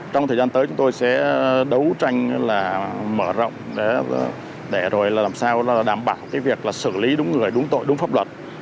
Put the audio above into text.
trong thời gian tới chúng tôi sẽ đấu tranh mở rộng để rồi làm sao đảm bảo việc xử lý đúng người đúng tội đúng pháp luật